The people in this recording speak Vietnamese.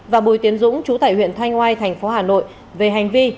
và bùi tiến dũng chú tại huyện thanh oai tp hcm về hành vi